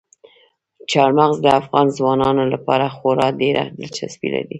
چار مغز د افغان ځوانانو لپاره خورا ډېره دلچسپي لري.